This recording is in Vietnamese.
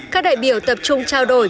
các đại biểu tập trung trao đổi